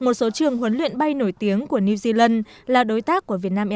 một số trường huấn luyện bay nổi tiếng của new zealand là đối tác của việt nam eu